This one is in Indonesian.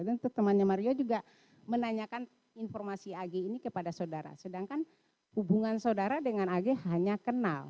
dan temannya mario juga menanyakan informasi agge ini kepada saudara sedangkan hubungan saudara dengan agge hanya kenal